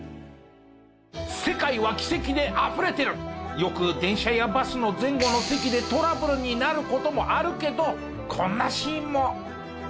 よく電車やバスの前後の席でトラブルになる事もあるけどこんなシーンも。